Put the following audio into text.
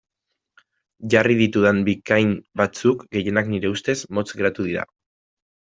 Jarri ditudan bikain batzuk, gehienak nire ustez, motz geratu dira.